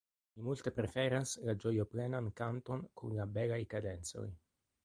Mi multe preferas la ĝojoplenan kanton kun la belaj kadencoj.